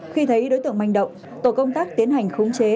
khi thấy đối tượng manh động tổ công tác tiến hành khống chế